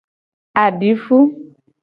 Adifu.